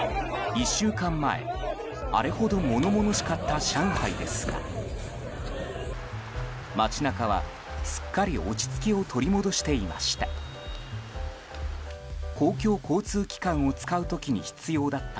１週間前、あれほど物々しかった上海ですが街中は、すっかり落ち着きを取り戻していました。